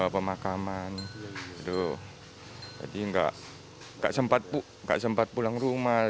pemakaman aduh tadi enggak sempat pulang rumah